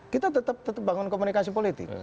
kita tetap bangun komunikasi politik